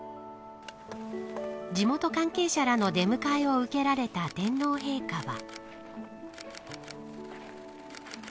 地元関係者らの出迎えを受けられた天皇陛下は。